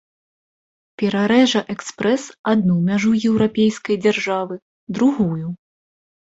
Перарэжа экспрэс адну мяжу еўрапейскай дзяржавы, другую.